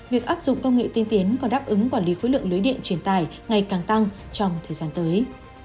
việc áp dụng công nghệ tiên tiến có đáp ứng quản lý khối lượng lưới điện truyền tải ngày càng tăng trong thời gian tới